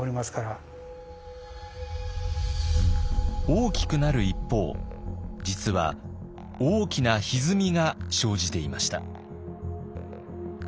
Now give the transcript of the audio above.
大きくなる一方実は大きなひずみが生じていました。